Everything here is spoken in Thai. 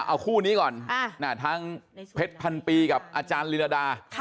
เอาคู่นี้ก่อนทางเพชรพันปีกับอาจารย์ลีลาดา